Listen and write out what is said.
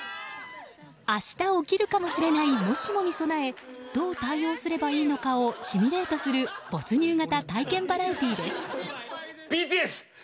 明日起きるかもしれないもしもに備えどう対応すればいいのかをシミュレートする没入型体験バラエティーです。